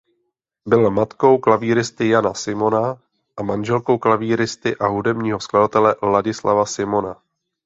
Byla matkou klavíristy Jana Simona a manželkou klavíristy a hudebního skladatele Ladislava Simona.